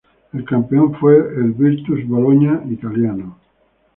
El campeón fue el Virtus Bologna italiano.